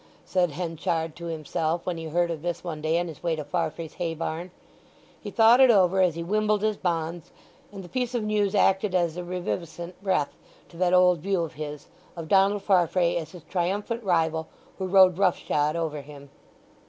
said Henchard to himself when he heard of this one day on his way to Farfrae's hay barn. He thought it over as he wimbled his bonds, and the piece of news acted as a reviviscent breath to that old view of his—of Donald Farfrae as his triumphant rival who rode rough shod over him.